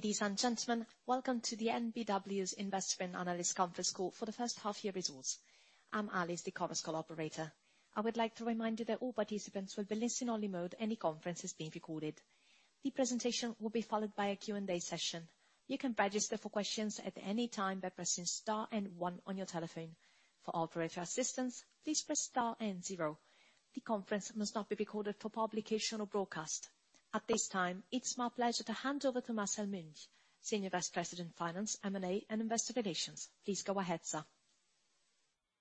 Ladies and gentlemen, welcome to the EnBW's Investor and Analyst Conference Call for the first half year results. I'm Alice, the conference call operator. I would like to remind you that all participants will be listen-only mode, and the conference is being recorded. The presentation will be followed by a Q&A session. You can register for questions at any time by pressing star and One on your telephone. For operator assistance, please press star and zero. The conference must not be recorded for publication or broadcast. At this time, it's my pleasure to hand over to Marcel Münch, Senior Vice President, Finance, M&A, and Investor Relations. Please go ahead, sir.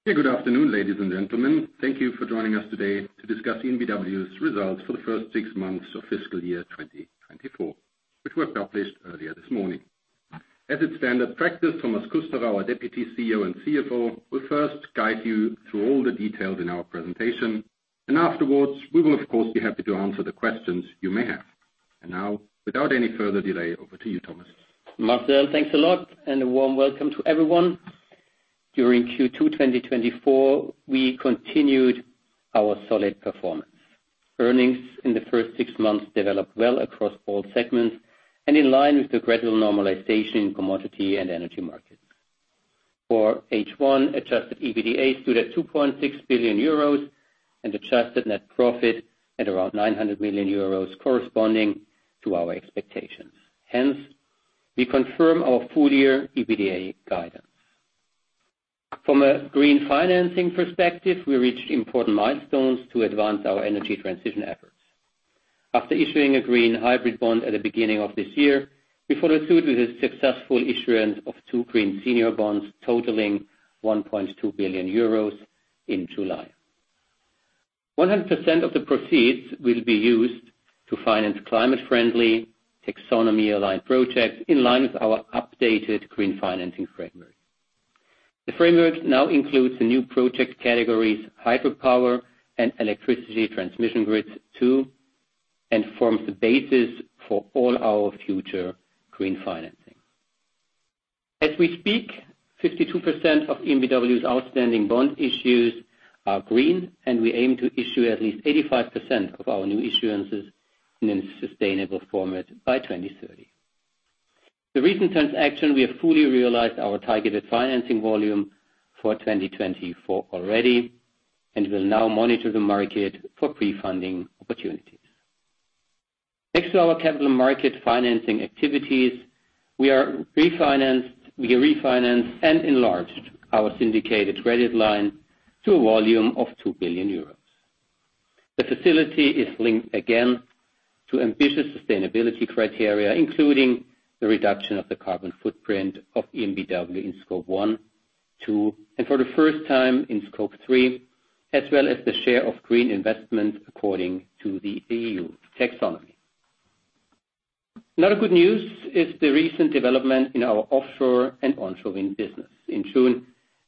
Hey, good afternoon, ladies and gentlemen. Thank you for joining us today to discuss EnBW's results for the first six months of fiscal year 2024, which were published earlier this morning. As it's standard practice, Thomas Kusterer, our Deputy CEO and CFO, will first guide you through all the details in our presentation, and afterwards, we will, of course, be happy to answer the questions you may have. And now, without any further delay, over to you, Thomas. Marcel, thanks a lot, and a warm welcome to everyone. During Q2 2024, we continued our solid performance. Earnings in the first six months developed well across all segments and in line with the gradual normalization in commodity and energy markets. For H1, adjusted EBITDA stood at 2.6 billion euros, and adjusted net profit at around 900 million euros, corresponding to our expectations. Hence, we confirm our full year EBITDA guidance. From a green financing perspective, we reached important milestones to advance our energy transition efforts. After issuing a green hybrid bond at the beginning of this year, we followed suit with a successful issuance of two green senior bonds totaling 1.2 billion euros in July. 100% of the proceeds will be used to finance climate-friendly, taxonomy-aligned projects in line with our updated green financing framework. The framework now includes the new project categories, hydropower and electricity transmission grids, too, and forms the basis for all our future green financing. As we speak, 52% of EnBW's outstanding bond issues are green, and we aim to issue at least 85% of our new issuances in a sustainable format by 2030. The recent transaction, we have fully realized our targeted financing volume for 2024 already and will now monitor the market for pre-funding opportunities. Next to our capital market financing activities, we have refinanced and enlarged our syndicated credit line to a volume of 2 billion euros. The facility is linked again to ambitious sustainability criteria, including the reduction of the carbon footprint of EnBW in Scope 1, 2, and for the first time in Scope 3, as well as the share of green investments according to the EU taxonomy. Another good news is the recent development in our offshore and onshore wind business. In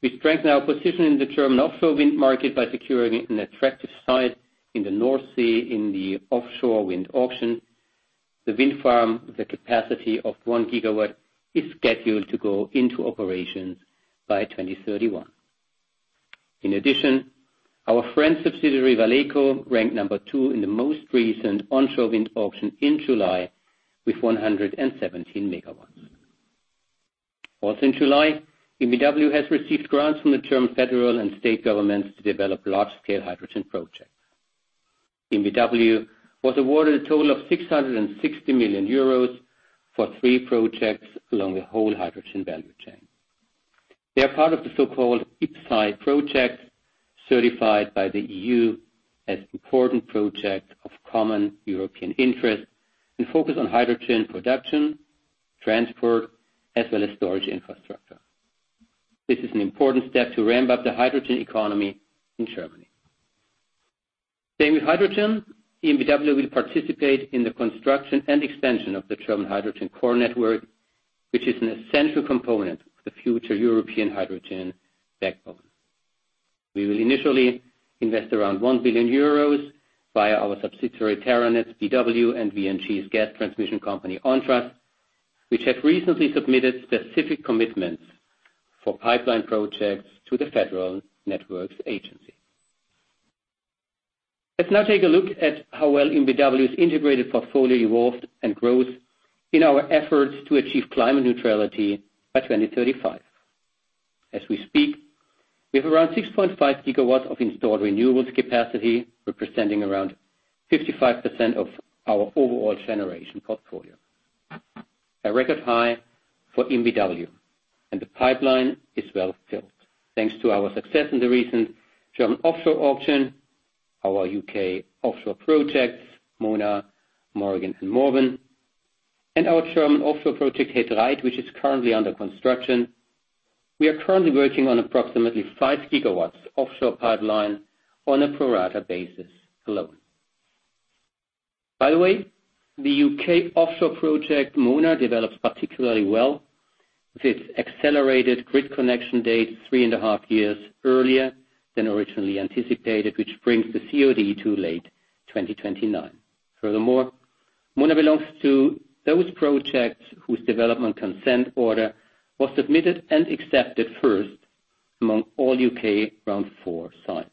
June, we strengthened our position in the German offshore wind market by securing an attractive site in the North Sea in the offshore wind auction. The wind farm, with a capacity of 1 gigawatt, is scheduled to go into operation by 2031. In addition, our French subsidiary, Valeco, ranked number two in the most recent onshore wind auction in July with 117 MW. Also in July, EnBW has received grants from the German federal and state governments to develop large-scale hydrogen projects. EnBW was awarded a total of 660 million euros for three projects along the whole hydrogen value chain. They are part of the so-called IPCEI projects, certified by the EU as important projects of common European interest and focus on hydrogen production, transport, as well as storage infrastructure. This is an important step to ramp up the hydrogen economy in Germany. Staying with hydrogen, EnBW will participate in the construction and expansion of the German Hydrogen Core Network, which is an essential component of the future European hydrogen backbone. We will initially invest around 1 billion euros via our subsidiary, terranets bw, and VNG's gas transmission company, ONTRAS, which has recently submitted specific commitments for pipeline projects to the Federal Network Agency. Let's now take a look at how well EnBW's integrated portfolio evolved and grows in our efforts to achieve climate neutrality by 2035. As we speak, we have around 6.5 gigawatt of installed renewables capacity, representing around 55% of our overall generation portfolio, a record high for EnBW, and the pipeline is well filled. Thanks to our success in the recent German offshore auction, our U.K. offshore projects, Mona, Morgan, and Morven, and our German offshore project, He Dreiht, which is currently under construction. We are currently working on approximately 5 gigawatts offshore pipeline on a pro rata basis alone. By the way, the U.K. offshore project, Mona, develops particularly well, with its accelerated grid connection date three and a-half years earlier than originally anticipated, which brings the COD to late 2029. Furthermore, Mona belongs to those projects whose development consent order was submitted and accepted first among all U.K. Round Four sites.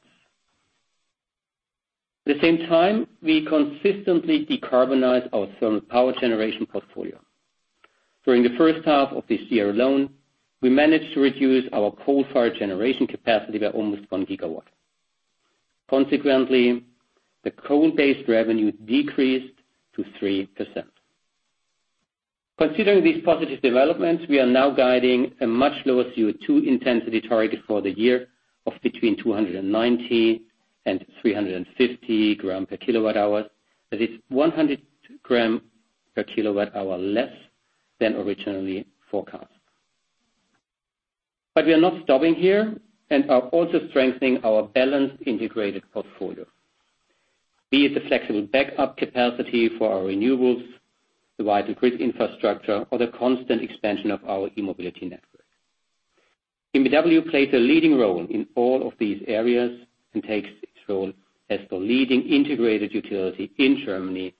At the same time, we consistently decarbonize our thermal power generation portfolio. During the first half of this year alone, we managed to reduce our coal-fired generation capacity by almost 1 gigawatt. Consequently, the coal-based revenue decreased to 3%. Considering these positive developments, we are now guiding a much lower CO2 intensity target for the year of between 290 g/kWh and 350 g/kWh. That is 100 g/kWh less than originally forecast. But we are not stopping here, and are also strengthening our balanced, integrated portfolio. Be it the flexible backup capacity for our renewables, the vital grid infrastructure, or the constant expansion of our e-mobility network. EnBW plays a leading role in all of these areas and takes its role as the leading integrated utility in Germany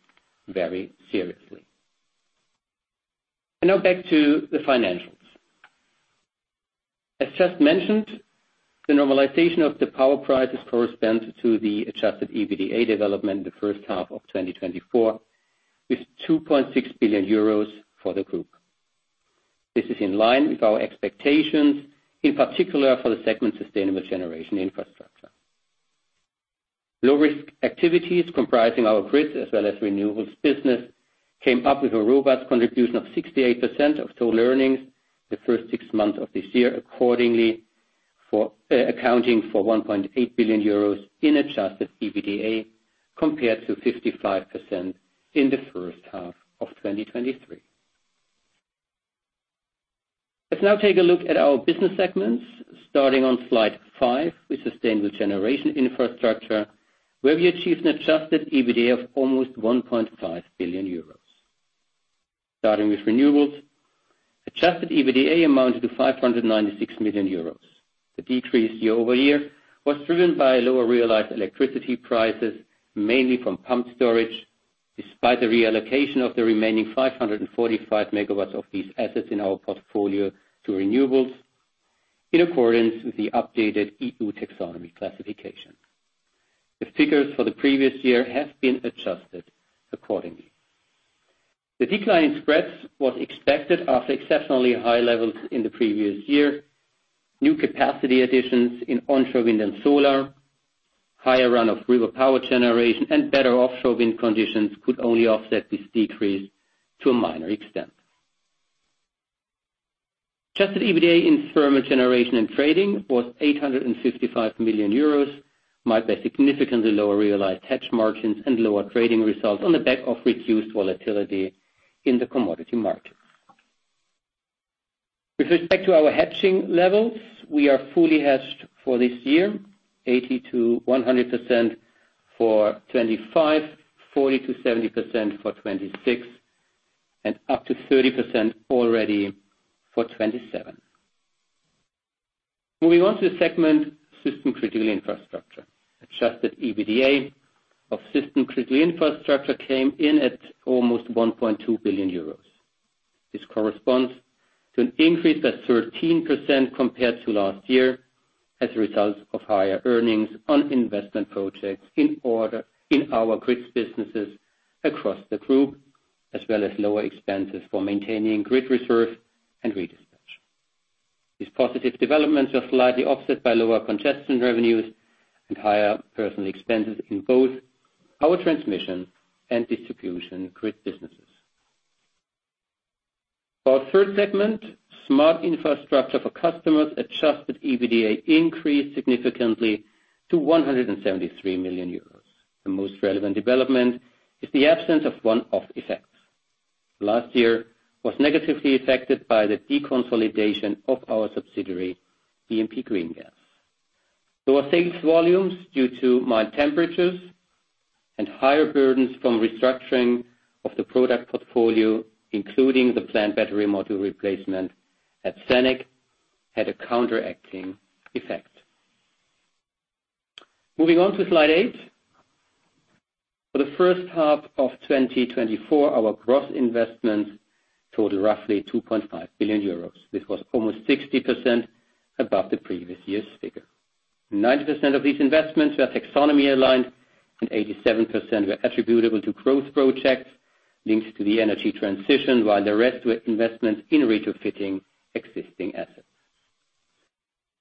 very seriously. And now back to the financials. As just mentioned, the normalization of the power prices corresponds to the adjusted EBITDA development in the first half of 2024, with 2.6 billion euros for the group. This is in line with our expectations, in particular for the segment sustainable generation infrastructure. Low-risk activities, comprising our grid as well as renewables business, came up with a robust contribution of 68% of total earnings the first six months of this year, accordingly, accounting for 1.8 billion euros in adjusted EBITDA, compared to 55% in the first half of 2023. Let's now take a look at our business segments, starting on Slide 5 with sustainable generation infrastructure, where we achieved an adjusted EBITDA of almost 1.5 billion euros. Starting with renewables, adjusted EBITDA amounted to 596 million euros. The decrease year-over-year was driven by lower realized electricity prices, mainly from pumped storage, despite the reallocation of the remaining 545 MW of these assets in our portfolio to renewables, in accordance with the updated EU taxonomy classification. The figures for the previous year have been adjusted accordingly. The decline in spreads was expected after exceptionally high levels in the previous year. New capacity additions in onshore wind and solar, higher run of river power generation, and better offshore wind conditions could only offset this decrease to a minor extent. Adjusted EBITDA in thermal generation and trading was 855 million euros, marked by significantly lower realized hedge margins and lower trading results on the back of reduced volatility in the commodity market. With respect to our hedging levels, we are fully hedged for this year, 80%-100% for 2025, 40%-70% for 2026, and up to 30% already for 2027. Moving on to the segment, system-critical infrastructure. Adjusted EBITDA of system-critical infrastructure came in at almost 1.2 billion euros. This corresponds to an increase of 13% compared to last year, as a result of higher earnings on investment projects in our grids businesses across the group, as well as lower expenses for maintaining grid reserve and redispatch. These positive developments were slightly offset by lower congestion revenues and higher personnel expenses in both power transmission and distribution grid businesses. Our third segment, smart infrastructure for customers, adjusted EBITDA increased significantly to 173 million euros. The most relevant development is the absence of one-off effects. Last year was negatively affected by the deconsolidation of our subsidiary, bmp greengas. Lower sales volumes due to mild temperatures and higher burdens from restructuring of the product portfolio, including the planned battery module replacement at SENEC, had a counteracting effect. Moving on to Slide 8. For the first half of 2024, our gross investments totaled roughly 2.5 billion euros. This was almost 60% above the previous year's figure. 90% of these investments were taxonomy-aligned, and 87% were attributable to growth projects linked to the energy transition, while the rest were investments in retrofitting existing assets.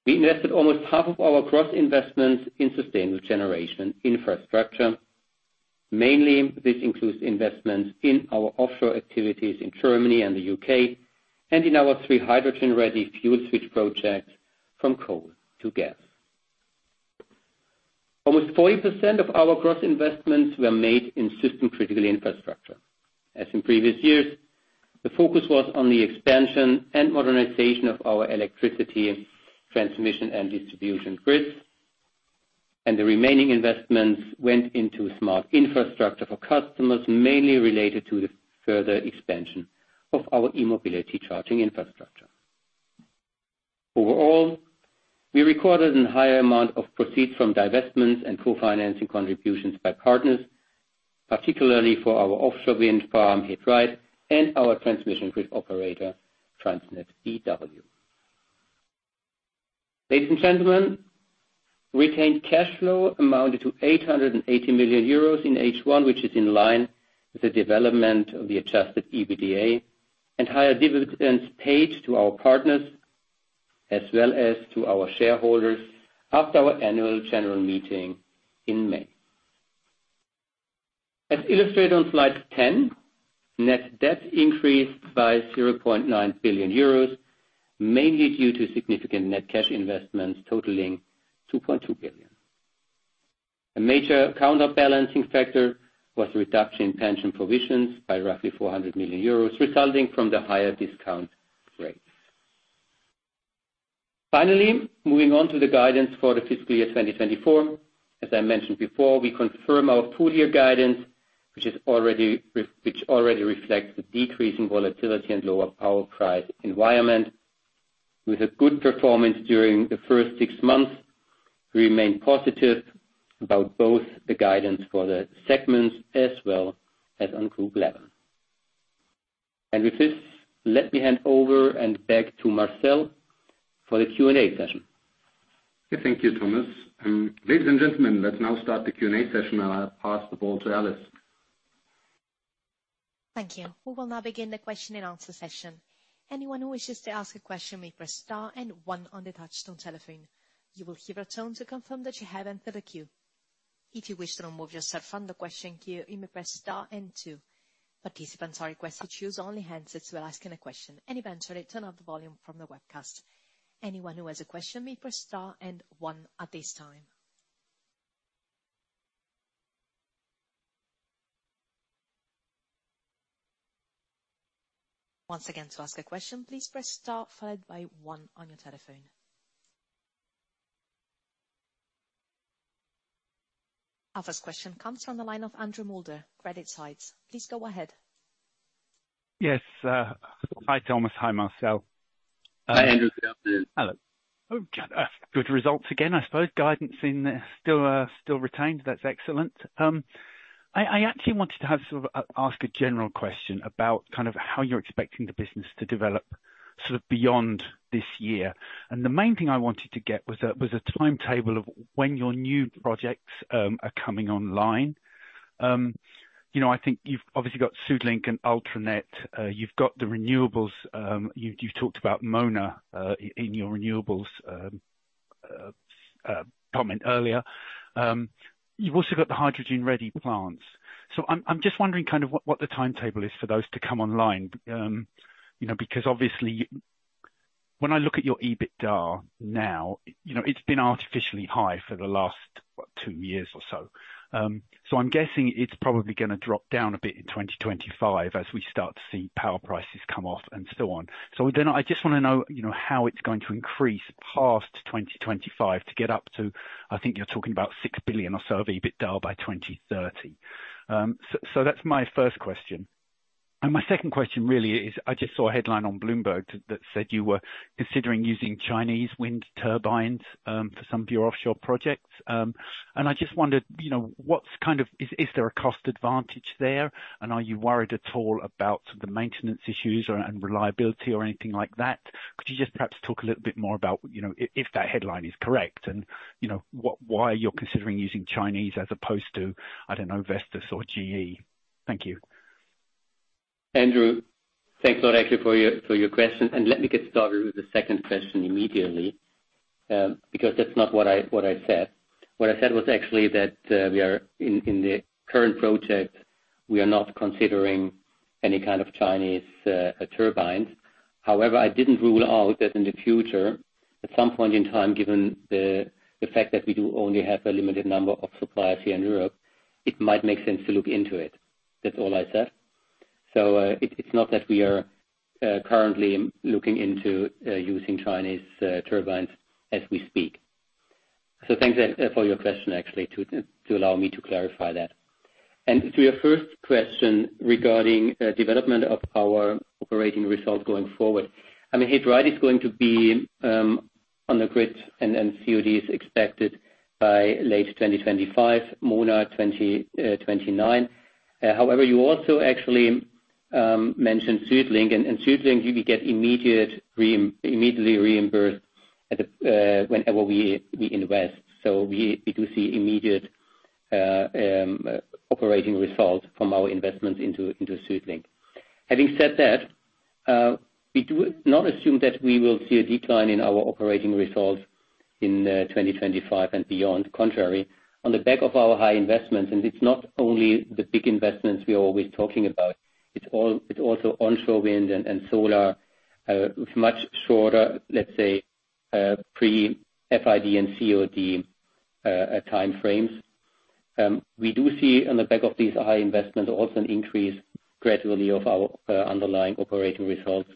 We invested almost half of our gross investments in sustainable generation infrastructure. Mainly, this includes investments in our offshore activities in Germany and the UK, and in our three hydrogen-ready fuel switch projects from coal to gas. Almost 40% of our gross investments were made in system-critical infrastructure. As in previous years, the focus was on the expansion and modernization of our electricity transmission and distribution grids, and the remaining investments went into smart infrastructure for customers, mainly related to the further expansion of our e-mobility charging infrastructure. Overall, we recorded a higher amount of proceeds from divestments and co-financing contributions by partners, particularly for our offshore wind farm, He Dreiht, and our transmission grid operator, TransnetBW. Ladies and gentlemen, retained cash flow amounted to 880 million euros in H1, which is in line with the development of the adjusted EBITDA and higher dividends paid to our partners, as well as to our shareholders after our annual general meeting in May. As illustrated on Slide 10, net debt increased by 0.9 billion euros, mainly due to significant net cash investments totaling 2.2 billion. A major counterbalancing factor was the reduction in pension provisions by roughly 400 million euros, resulting from the higher discount rate. Finally, moving on to the guidance for the fiscal year 2024. As I mentioned before, we confirm our full year guidance, which already reflects the decreasing volatility and lower power price environment. With a good performance during the first six months, we remain positive about both the guidance for the segments as well as on group level. And with this, let me hand over and back to Marcel for the Q&A session. Thank you, Thomas. Ladies and gentlemen, let's now start the Q&A session, and I'll pass the ball to Alice. Thank you. We will now begin the question and answer session. Anyone who wishes to ask a question may press star and one on the touchtone telephone. You will hear a tone to confirm that you have entered the queue. If you wish to remove yourself from the question queue, you may press star and two. Participants are requested to use only handsets when asking a question, and eventually turn off the volume from the webcast. Anyone who has a question may press star and one at this time. Once again, to ask a question, please press star followed by one on your telephone. Our first question comes from the line of Andrew Moulder, CreditSights. Please go ahead. Yes, hi, Thomas. Hi, Marcel. Hi, Andrew. Good afternoon. Hello. Oh, good, good results again, I suppose. Guidance in there still, still retained. That's excellent. I, I actually wanted to have sort of, ask a general question about kind of how you're expecting the business to develop sort of beyond this year. And the main thing I wanted to get was a timetable of when your new projects are coming online. You know, I think you've obviously got SuedLink and Ultranet, you've got the renewables, you, you've talked about Mona in your renewables comment earlier. You've also got the hydrogen-ready plants. So I'm just wondering kind of what the timetable is for those to come online, you know, because obviously, when I look at your EBITDA now, you know, it's been artificially high for the last two years or so. So I'm guessing it's probably gonna drop down a bit in 2025 as we start to see power prices come off and so on. So then I just wanna know, you know, how it's going to increase past 2025 to get up to, I think you're talking about 6 billion or so of EBITDA by 2030. So that's my first question. And my second question really is, I just saw a headline on Bloomberg that said you were considering using Chinese wind turbines for some of your offshore projects. And I just wondered, you know, what's kind of. Is there a cost advantage there? And are you worried at all about the maintenance issues and reliability or anything like that? Could you just perhaps talk a little bit more about, you know, if that headline is correct and, you know, what—why you're considering using Chinese as opposed to, I don't know, Vestas or GE? Thank you. Andrew, thanks a lot actually for your question. And let me get started with the second question immediately, because that's not what I said. What I said was actually that we are in the current project, we are not considering any kind of Chinese turbines. However, I didn't rule out that in the future, at some point in time, given the fact that we do only have a limited number of suppliers here in Europe, it might make sense to look into it. That's all I said. So, it's not that we are currently looking into using Chinese turbines as we speak. So thanks for your question, actually, to allow me to clarify that. And to your first question regarding development of our operating results going forward. I mean, He Dreiht is going to be on the grid, and then COD is expected by late 2025, Mona, 2029. However, you also actually mentioned SuedLink, and SuedLink you will get immediately reimbursed whenever we invest. So we do see immediate operating results from our investment into SuedLink. Having said that, we do not assume that we will see a decline in our operating results in 2025 and beyond. Contrary, on the back of our high investments, and it's not only the big investments we are always talking about, it's also onshore wind and solar with much shorter, let's say, pre-FID and COD time frames. We do see on the back of these high investments, also an increase gradually of our underlying operating results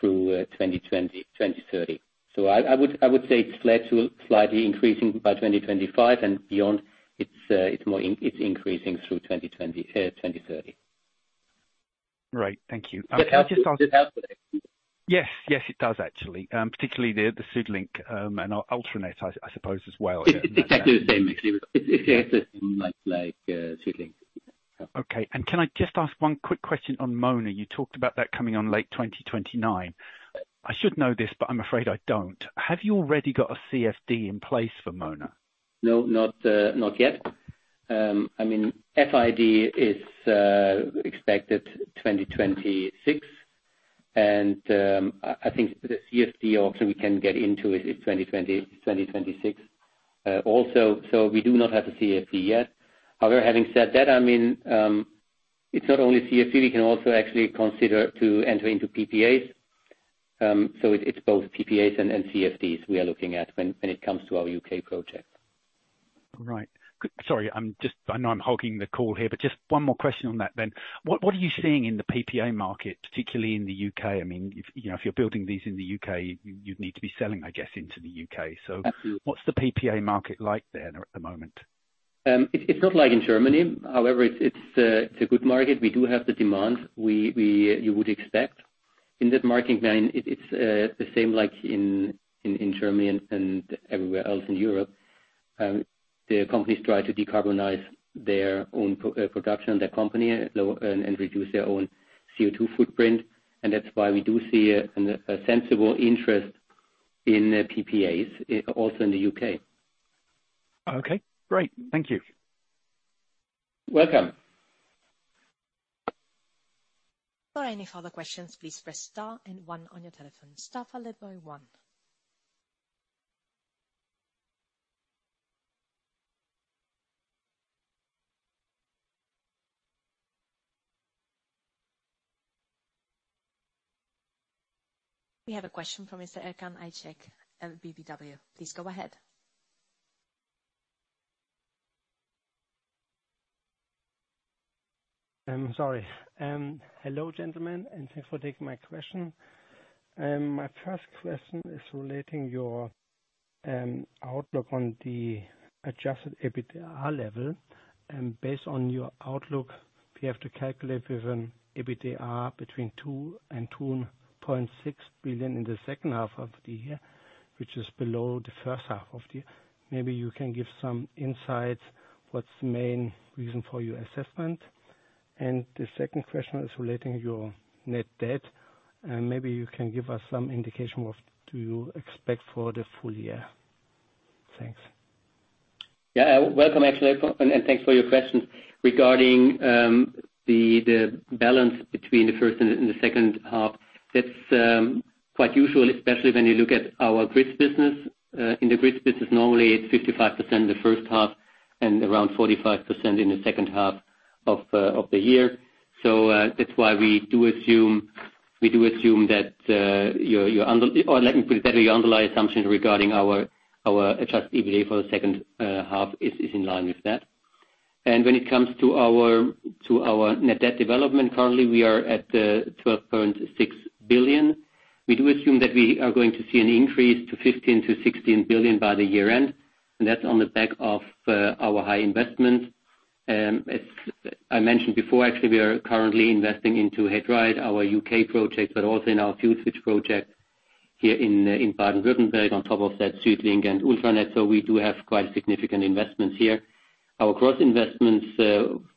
through 2020, 2030. So I would say it's led to slightly increasing by 2025, and beyond, it's more it's increasing through 2020, 2030. Right. Thank you. It helps with it. Yes. Yes, it does actually. Particularly the SuedLink and Ultranet, I suppose, as well. It's exactly the same actually. It's much like SuedLink. Okay, and can I just ask one quick question on Mona? You talked about that coming on late 2029. I should know this, but I'm afraid I don't. Have you already got a CFD in place for Mona? No, not, not yet. I mean, FID is expected 2026, and, I think the CFD option we can get into it is 2020, 2026. Also, so we do not have the CFD yet. However, having said that, I mean, it's not only CFD, we can also actually consider to enter into PPAs. So it's both PPAs and, and CFDs we are looking at when, when it comes to our U.K. projects. Right. Sorry, I'm just. I know I'm hogging the call here, but just one more question on that then. What, what are you seeing in the PPA market, particularly in the U.K.? I mean, if, you know, if you're building these in the U.K., you'd need to be selling, I guess, into the U.K. Absolutely. What's the PPA market like there at the moment? It's not like in Germany. However, it's a good market. We do have the demand you would expect. In that market, it's the same like in Germany and everywhere else in Europe. The companies try to decarbonize their own production, their company locations and reduce their own CO2 footprint, and that's why we do see a sensible interest in PPAs also in the U.K. Okay, great. Thank you. Welcome. For any further questions, please press star and one on your telephone. Star followed by one. We have a question from Mr. Erkan Aycicek at LBBW. Please go ahead. Sorry, hello, gentlemen, and thanks for taking my question. My first question is relating your outlook on the Adjusted EBITDA level, and based on your outlook, we have to calculate with an EBITDA between 2 billion and 2.6 billion in the second half of the year, which is below the first half of the year. Maybe you can give some insight what's the main reason for your assessment? And the second question is relating to your net debt, and maybe you can give us some indication of do you expect for the full year. Thanks. Yeah, welcome, Erkan, and thanks for your question. Regarding the balance between the first and the second half, that's quite usual, especially when you look at our grid business. In the grid business, normally it's 55% in the first half and around 45% in the second half of the year. So, that's why we do assume, we do assume that your under or let me put it better, your underlying assumptions regarding our Adjusted EBITDA for the second half is in line with that. And when it comes to our net debt development, currently we are at 12.6 billion. We do assume that we are going to see an increase to 15-16 billion by the year end, and that's on the back of our high investments. As I mentioned before, actually, we are currently investing into He Dreiht, our U.K. project, but also in our fuel switch project here in Baden-Württemberg, on top of that, SuedLink and Ultranet, so we do have quite significant investments here. Our gross investments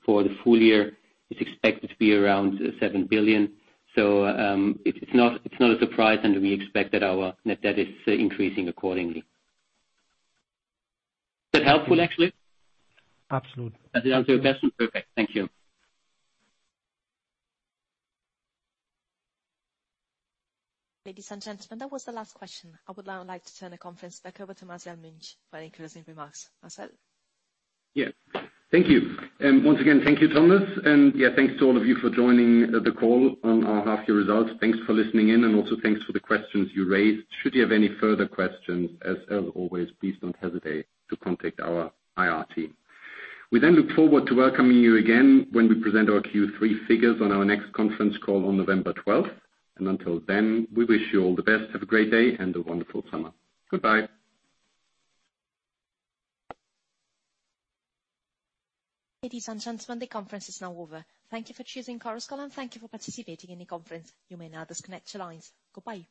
for the full year is expected to be around 7 billion. So, it's not, it's not a surprise, and we expect that our net debt is increasing accordingly. Is that helpful, actually? Absolutely. Does that answer your question? Perfect. Thank you. Ladies and gentlemen, that was the last question. I would now like to turn the conference back over to Marcel Münch for any closing remarks. Marcel? Yeah. Thank you. Once again, thank you, Thomas, and yeah, thanks to all of you for joining the call on our half year results. Thanks for listening in, and also thanks for the questions you raised. Should you have any further questions, as always, please don't hesitate to contact our IR team. We then look forward to welcoming you again when we present our Q3 figures on our next conference call on November 12th, and until then, we wish you all the best. Have a great day and a wonderful summer. Goodbye! Ladies and gentlemen, the conference is now over. Thank you for choosing Chorus Call, and thank you for participating in the conference. You may now disconnect your lines. Goodbye.